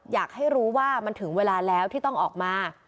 อยากให้รู้ว่ามันถึงเวลาแล้วที่ต้องออกมา